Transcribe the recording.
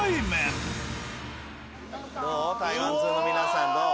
台湾通の皆さんどう？